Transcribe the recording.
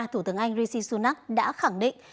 thủ tướng anh rishi sunak đã khẳng định